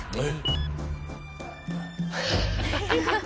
えっ